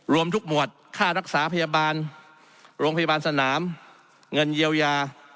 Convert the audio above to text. รวมทุกหมวดค่ารักษาพยาบาลโรงพยาบาลสนามเงินเยียวยา